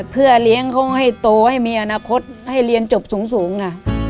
เพื่อเลี้ยงเขาให้โตให้มีอนาคตให้เรียนจบสูงค่ะ